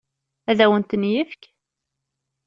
Ad awen-ten-yefk?